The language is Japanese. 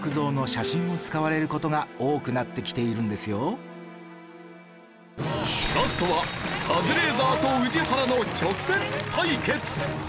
ちなみにラストはカズレーザーと宇治原の直接対決。